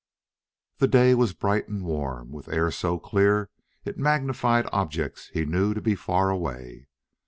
The day was bright and warm, with air so clear it magnified objects he knew to be far away.